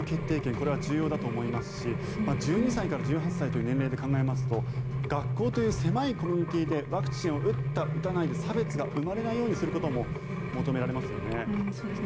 これは重要だと思いますし１２歳から１８歳という年齢で考えますと学校という狭いコミュニティーでワクチンを打った、打たないで差別が生まれないようにすることも求められますよね。